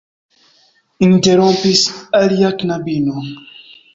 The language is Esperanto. interrompis alia knabino.